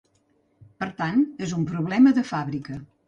Per tant, és un problema de fàbrica.